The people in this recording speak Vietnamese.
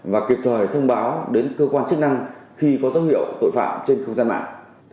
và kịp thời thông báo đến cơ quan chức năng khi có dấu hiệu tội phạm trên không gian mạng